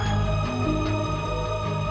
ini harus dihentikan